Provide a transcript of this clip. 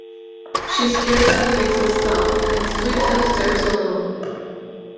She scarcely makes a stop, and sweeps upstairs alone.